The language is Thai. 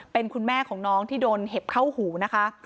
เป็นคุณแม่ของน้องที่โดนเห็บเข้าหูนะคะ